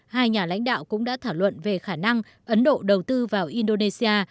hai nhà lãnh đạo cũng đã thảo luận về khả năng ấn độ đầu tư vào indonesia